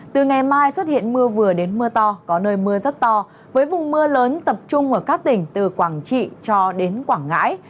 từ ngày mai xuất hiện mưa vừa đến mưa to có nơi mưa rất to với vùng mưa lớn tập trung ở các tỉnh từ quảng trị cho đến quảng ngãi